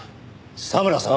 沙村さん！